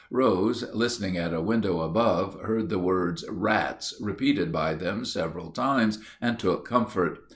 Rose, listening at a window above, heard the words "rats" repeated by them several times, and took comfort.